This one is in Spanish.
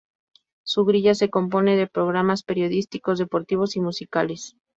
Su grilla se compone de programas periodísticos, deportivos y musicales.